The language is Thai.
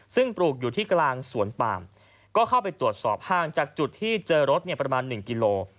ซึ่งปลูกอยู่ที่กลางสวนปามก็เข้าไปตรวจสอบห้างจากจุดที่เจอรถประมาณ๑กิโล